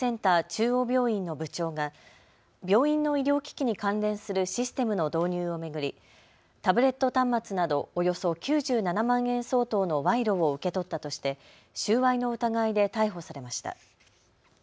中央病院の部長が病院の医療機器に関連するシステムの導入を巡りタブレット端末などおよそ９７万円相当の賄賂を受け取ったとして収賄の疑いで逮捕されました。